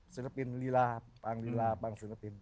ศิลปินลีลาบางลีลาบางศิลปิน